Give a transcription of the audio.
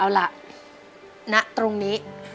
เอาล่ะณตรงนี้